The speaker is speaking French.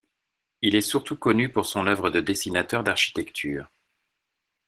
Il est surtout connu pour son œuvre de dessinateur d'architecture.